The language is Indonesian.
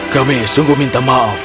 kami sungguh minta maaf